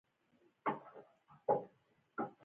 غوا د مختلفو اقلیمونو سره ځان عیاروي.